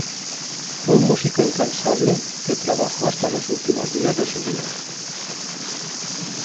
Fue un músico incansable, que trabajó hasta los últimos días de su vida.